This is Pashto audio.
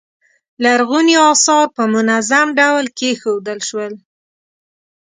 لرغوني اثار په منظم ډول کیښودل شول.